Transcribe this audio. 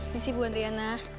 nih sih bu andriana